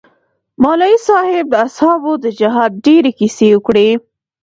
مولوي صاحب د اصحابو د جهاد ډېرې كيسې وكړې.